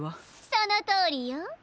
そのとおりよ。